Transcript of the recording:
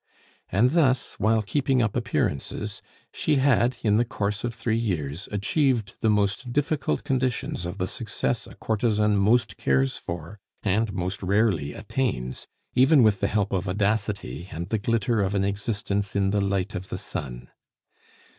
And thus, while keeping up appearances, she had, in the course of three years, achieved the most difficult conditions of the success a courtesan most cares for and most rarely attains, even with the help of audacity and the glitter of an existence in the light of the sun.